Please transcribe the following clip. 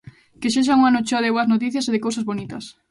Que sexa un ano cheo de boas noticias e de cousas bonitas.